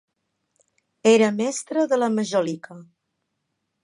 Era mestre de la majòlica.